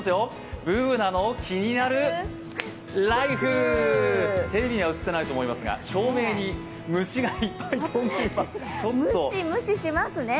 「ＢｏｏｎａのキニナルＬＩＦＥ」テレビには映っていないと思いますが、証明に虫がちょっとムシムシしますね。